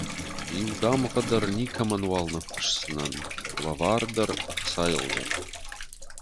Иу дамгъӕ дӕр никӕмӕнуал ныффысдзынӕн, лӕвар дӕр, ӕхцайыл дӕр.